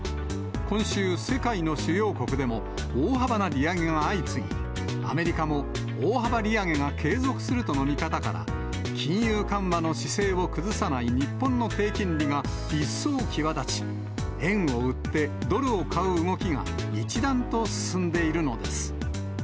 今週、世界の主要国でも、大幅な利上げが相次ぎ、アメリカも大幅利上げが継続するとの見方から、金融緩和の姿勢を崩さない日本の低金利が一層際立ち、円を売ってドルを買う動きが一段と進んでいるのです。